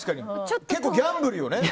結構ギャンブルよね。